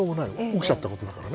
起きちゃったことだから。